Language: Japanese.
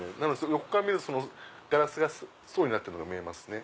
横から見るとガラスが層になってるのが見えますね。